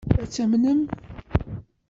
Ad t-tamnem?